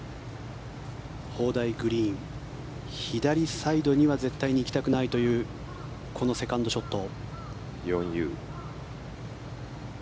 砲台グリーン左サイドには絶対に行きたくないというこのセカンドショット。